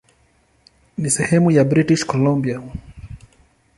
Ni sehemu ya British Columbia.